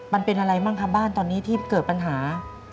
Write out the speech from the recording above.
มันเป็นอะไรบ้างครับบ้านตอนนี้ที่เกิดปัญหา